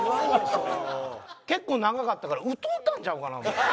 結構長かったから歌うたんちゃうかな思うて。